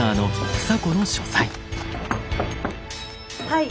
はい。